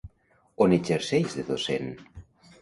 On exerceix de docent?